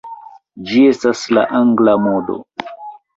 Ĝi estas la Angla modo.